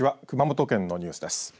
熊本県のニュースです。